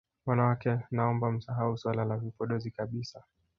Wanawake naomba msahau swala la vipodozi kabisa